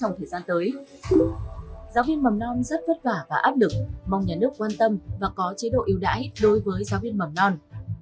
giáo viên mầm non rất vất vả và áp lực mong nhà nước quan tâm và có chế độ ưu đãi đối với giáo viên mầm non